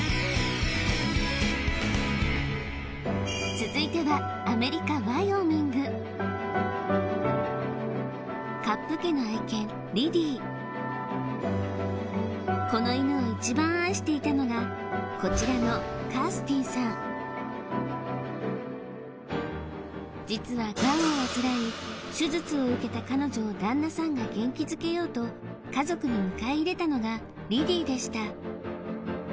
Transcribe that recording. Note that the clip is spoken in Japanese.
続いてはカップ家の愛犬この犬を一番愛していたのがこちらの実はガンを患い手術を受けた彼女を旦那さんが元気づけようと家族に迎え入れたのがリディでした